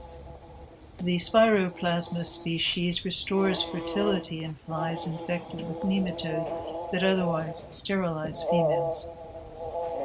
The Spiroplasma species restores fertility in flies infected with nematodes that otherwise sterilize females.